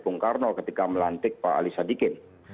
bung karno ketika melantik pak alisa dikin